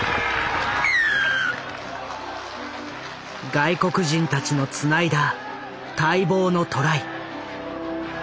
外国人たちのつないだ待望のトライ。